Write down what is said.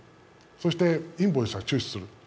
そして、インボイスは中止する。